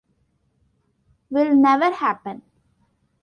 Will never happen.